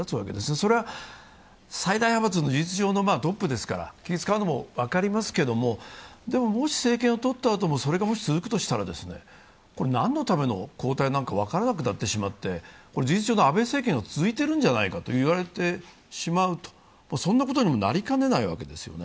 それは最大派閥の事実上のトップですから気を遣うのも分かりますけれども、もし政権をとったあともそれがもし続くとしたら、何のための交代なのか分からなくなって事実上の安倍政権が続いているんじゃないかと言われてしまうとそんなことにもなりかねないわけですよね。